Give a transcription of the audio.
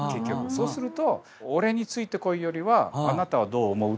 そうすると「俺についてこい」よりは「あなたはどう思う？」